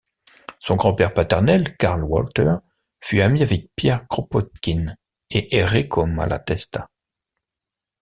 Son grand-père paternel, Karl Walter, fut ami avec Pierre Kropotkine et Errico Malatesta.